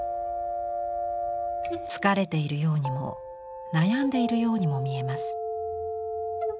疲れているようにも悩んでいるようにも見えます。